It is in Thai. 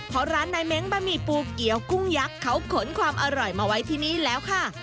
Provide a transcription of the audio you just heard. เพราะร้านนายเม้งบะหมี่ปูเกี๊ยวกุ้งยักษ์เขาขนความอร่อยมาไว้ที่นี่แล้วค่ะ